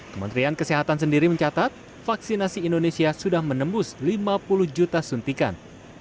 kementerian kesehatan sendiri mencatat vaksinasi indonesia sudah menembus lima puluh juta suntikan